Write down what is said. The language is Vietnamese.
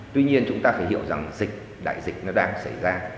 tuy nhiên chúng ta phải hiểu rằng dịch đại dịch nó đang xảy ra